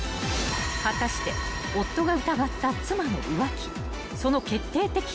［果たして夫が疑った妻の］